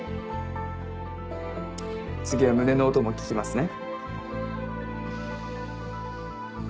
次は胸の音も聞きますね。